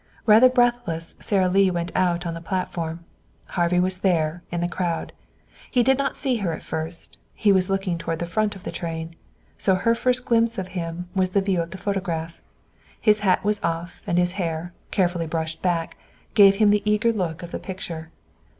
Rather breathless Sara Lee went out on the platform. Harvey was there, in the crowd. He did not see her at first. He was looking toward the front of the train. So her first glimpse of him was the view of the photograph. His hat was off, and his hair, carefully brushed back, gave him the eager look of the picture.